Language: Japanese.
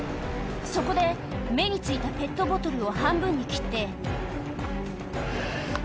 そこで、目についたペットボトルを半分に切って。